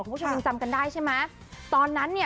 พี่บินก็ไม่จำกันได้ใช่ไหมตอนนั้นนี่